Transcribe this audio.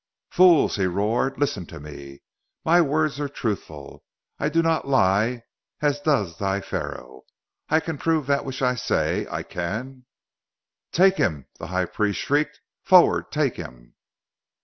"Fools!" he roared. "Listen to me! My words are truthful! I do not lie, as does thy Pharaoh! I can prove that which I say! I can " "Take him!" the High Priest shrieked. "Forward! Take him!"